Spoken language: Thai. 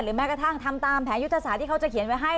แม้กระทั่งทำตามแผนยุทธศาสตร์ที่เขาจะเขียนไว้ให้